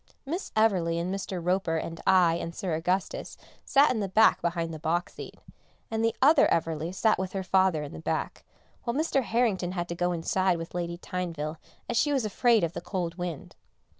Miss Everleigh and Mr. Roper and I and Sir Augustus sat in the seat behind the box seat, and the other Everleigh sat with her father in the back, while Mr. Harrington had to go inside with Lady Tyneville as she was afraid of the cold wind.